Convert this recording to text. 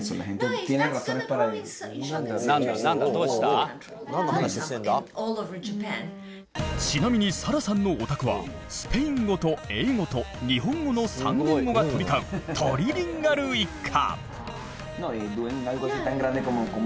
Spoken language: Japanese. そこでちなみにサラさんのお宅はスペイン語と英語と日本語の３言語が飛び交うトリリンガル一家！